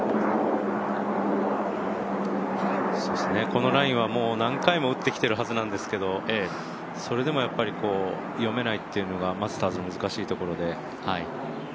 このラインはもう何回も打ってきているはずなんですけどそれでも読めないというのがマスターズの難しいところで。